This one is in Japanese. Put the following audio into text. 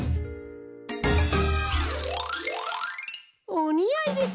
おにあいです！